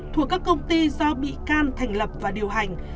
thuộc các công ty do bị can thành lập và điều hành